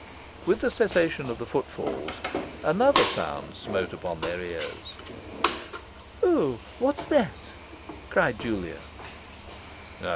With the cessation of the footfalls, another sound smote upon their ears. 'O, what's that?' cried Julia.